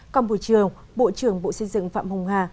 còn bộ trưởng bộ trưởng bộ xây dựng phạm hùng hà